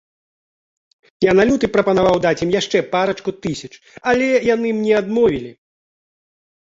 Я на люты прапанаваў даць ім яшчэ парачку тысяч, але яны мне адмовілі.